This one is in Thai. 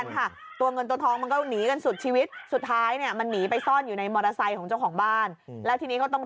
ลองดูหน่อยละกันค่ะ